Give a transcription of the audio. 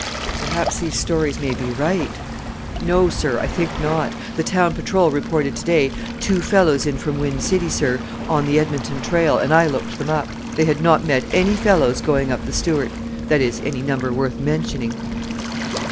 "Perhaps these stories may be right!" "No, sir, I think not. The town patrol reported to day two fellows in from Wind City, sir, on the Edmonton Trail, and I looked them up. They had not met any fellows going up the Stewart; that is, any number worth mentioning."